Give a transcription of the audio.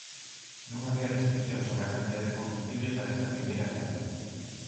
Non había restrición sobre a cantidade de combustible para esta primeira quenda.